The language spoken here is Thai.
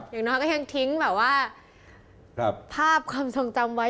อย่างน้อยก็ยังทิ้งแบบว่าภาพความทรงจำไว้